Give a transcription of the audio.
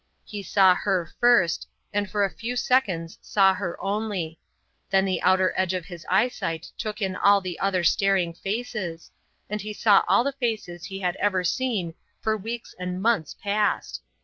He saw her first, and for a few seconds saw her only; then the outer edge of his eyesight took in all the other staring faces, and he saw all the faces he had ever seen for weeks and months past.